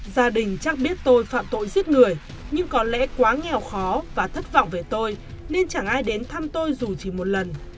gia đình chắc biết tôi phạm tội giết người nhưng có lẽ quá nghèo khó và thất vọng về tôi nên chẳng ai đến thăm tôi dù chỉ một lần